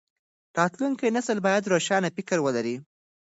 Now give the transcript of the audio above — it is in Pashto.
راتلونکی نسل بايد روښانه فکر ولري.